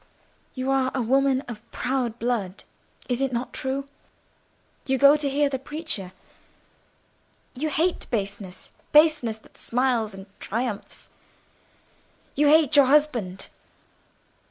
"You are a woman of proud blood—is it not true? You go to hear the preacher; you hate baseness—baseness that smiles and triumphs. You hate your husband?"